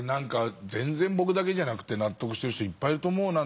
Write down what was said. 僕だけじゃなくて納得してる人いっぱいいると思うな。